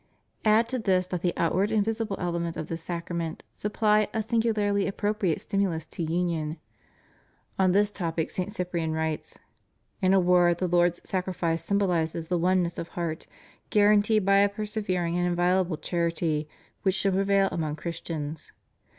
Add to this that the outward and visible elements of this Sacrament supply a singularly appropriate stimulus to union. On this topic St. Cyprian writes: "In a word the Lord's sacrifice S3anbolizes the oneness of heart, guaranteed by a persevering and inviolable charity, which should prevail among Christians.